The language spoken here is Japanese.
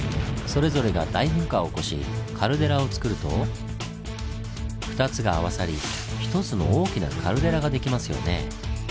それぞれが大噴火を起こしカルデラをつくると２つが合わさり１つの大きなカルデラができますよね。